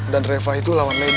dan reva itu lawan lady